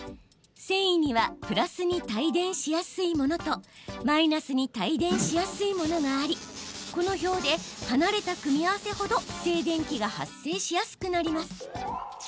繊維にはプラスに帯電しやすいものとマイナスに帯電しやすいものがありこの表で離れた組み合わせほど静電気が発生しやすくなります。